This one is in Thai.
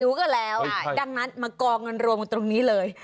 รู้กันแล้วดังนั้นมากองเงินรวมกันตรงนี้เลย